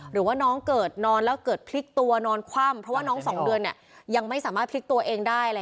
หรือว่าน้องเกิดนอนแล้วเกิดพลิกตัวนอนคว่ำเพราะว่าน้อง๒เดือนยังไม่สามารถพลิกตัวเองได้